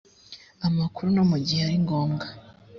amakuru no mu gihe ari ngombwa